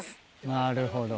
なるほど。